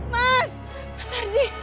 mas mas ardi